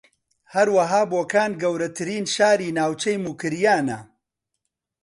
ھەروەھا بۆکان گەورەترین شاری ناوچەی موکریانە